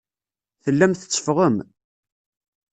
Tellam tetteffɣem.